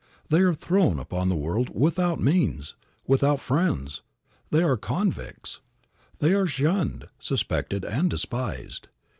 They are thrown upon the world without means without friends they are convicts. They are shunned, suspected and despised.